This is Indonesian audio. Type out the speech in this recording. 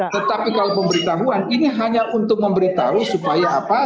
tetapi kalau pemberitahuan ini hanya untuk memberitahu supaya apa